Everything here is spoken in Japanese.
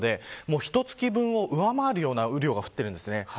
ひと月分を上回るような雨量が降っています。